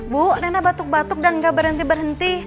bu rena batuk batuk dan gak berhenti berhenti